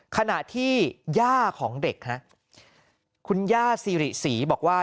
ขณะที่หญ้าของเด็กนะคุณหญ้าศรีบอกว่า